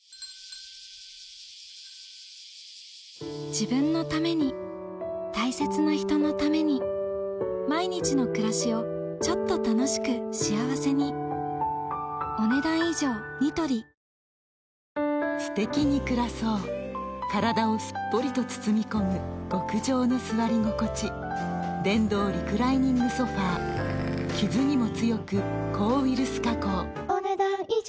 自分のために大切な人のために毎日の暮らしをちょっと楽しく幸せにすてきに暮らそう体をすっぽりと包み込む極上の座り心地電動リクライニングソファ傷にも強く抗ウイルス加工お、ねだん以上。